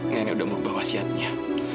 nenek udah merubah wasiatnya